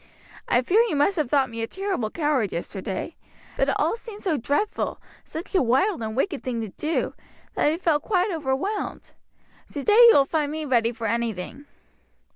I fear you must have thought me a terrible coward yesterday; but it all seemed so dreadful, such a wild and wicked thing to do, that I felt quite overwhelmed. Today you will find me ready for anything."